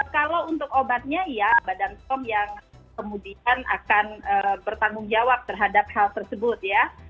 kalau untuk obatnya ya badan pom yang kemudian akan bertanggung jawab terhadap hal tersebut ya